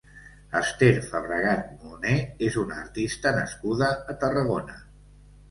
Ester Fabregat Molné és una artista nascuda a Tarragona.